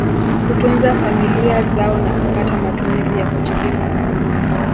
kutunza familia zao na kupata matumizi ya kujikimu